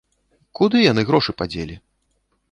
Куды яны грошы падзелі?